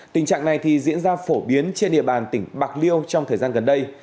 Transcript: tình trạng này diễn ra phổ biến trên địa bàn tỉnh bạc liêu trong thời gian gần đây